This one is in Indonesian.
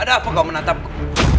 ada apa kau menatapku